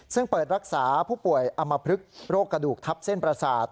ซึ่งเปิดรักษาผู้ป่วยอำมพลึกโรคกระดูกทับเส้นประสาท